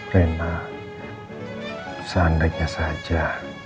reina seandainya saja